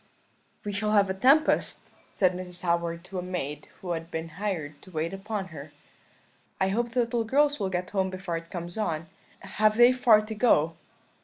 "'We shall have a tempest,' said Mrs. Howard to a maid who had been hired to wait upon her; 'I hope the little girls will get home before it comes on have they far to go?'